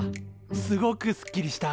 すごくすっきりした。